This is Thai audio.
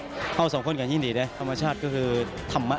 เราสองคนก็ยิ่งดีธรรมชาติคือธรรมนะ